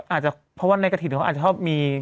อาจจะเพราะว่าในกระถิ่นเขาอาจจะชอบมี